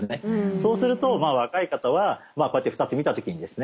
そうすると若い方はこうやって２つ見た時にですね